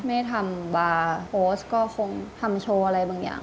ไม่ทำบาร์โพสต์ก็คงทำโชว์อะไรบางอย่าง